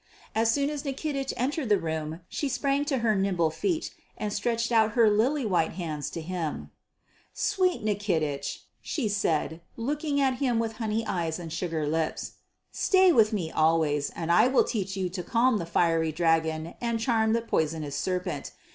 As soon as Nikitich entered the room she sprang to her nimble feet and stretched out her lily white hands to him: "Sweet Nikitich," she said looking at him with honey eyes and sugar lips, "stay with me always and I will teach you to calm the fiery dragon and charm the poisonous serpent.